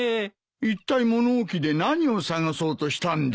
いったい物置で何を探そうとしたんだ？